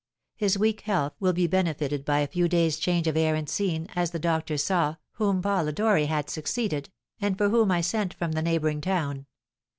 His weak health will be benefited by a few days' change of air and scene, as the doctor saw, whom Polidori had succeeded, and for whom I sent from the neighbouring town.